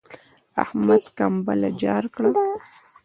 احمد کمبله جار کړه.